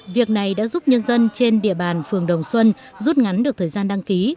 việc này đã giúp nhân dân trên địa bàn phường đồng xuân rút ngắn được thời gian đăng ký